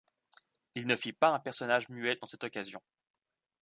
Il ne fit pas un personnage muet dans cette occasion.